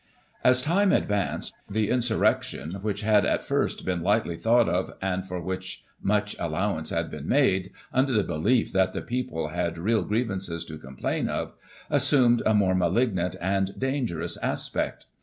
As time advanced, the insurrection, which had at first been lightly thought of, and for which much allowance had been made, under the belief that the people had real grievances to complain of, assumed a more malignant and dangerous aspect.